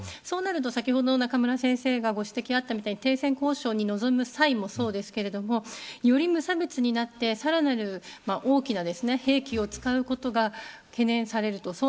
そうなると、中村先生からご指摘があったように停戦交渉に臨む際もそうですがより無差別になってさらなる大きな兵器を使うことが懸念されると。